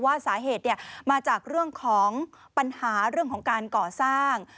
ว่าสาเหตุมาจากเรื่องของปัญหาเรื่องของการก่อสร้าง